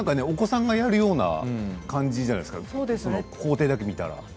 お子さんがやるような感じじゃないですかその工程だけ見たら。